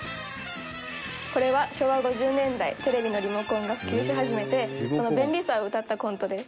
「これは昭和５０年代テレビのリモコンが普及し始めてその便利さをうたったコントです」